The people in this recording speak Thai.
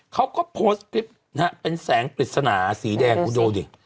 เขาก็โพสต์คลิปนะฮะเป็นแสงปริศนาสีแดงคุณดูดิ